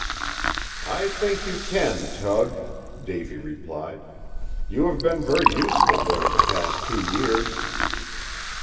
"I think you can, Tug," Davy replied. "You have been very useful during the past two years."